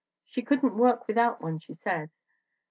She couldn't work without one, she says.